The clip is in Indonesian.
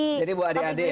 jadi buat adik adik ya